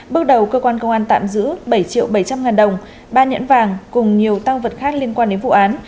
bước đầu cơ quan công an tạm giữ bảy triệu bảy trăm linh ngàn đồng ba nhẫn vàng cùng nhiều tăng vật khác liên quan đến vụ án